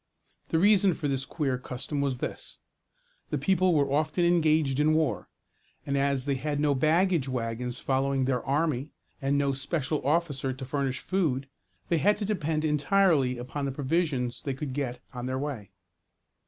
The reason for this queer custom was this: the people were often engaged in war, and as they had no baggage wagons following their army, and no special officer to furnish food, they had to depend entirely upon the provisions they could get on their way.